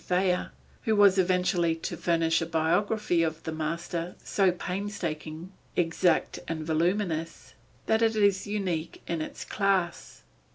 Thayer, who was eventually to furnish a biography of the master, so painstaking, exact and voluminous, that it is unique in its class.